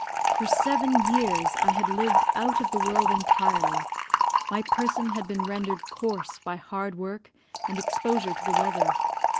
For seven years I had lived out of the world entirely; my person had been rendered coarse by hard work and exposure to the weather.